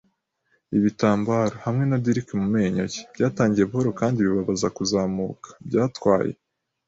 ibitambaro, hamwe na dirk mu menyo ye, byatangiye buhoro kandi bibabaza kuzamuka. Byatwaye